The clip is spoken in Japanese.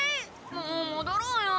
もうもどろうよ！